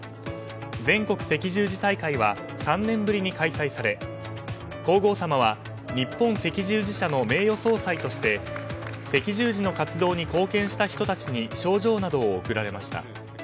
全国赤十字大会は３年ぶりに開催され皇后さまは日本赤十字社の名誉総裁として赤十字の活動に貢献した人たちに賞状などを贈られました。